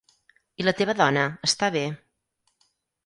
I la teva dona, està bé?